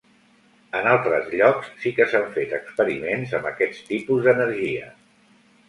En altres llocs sí que s'han fet experiments amb aquest tipus d'energia.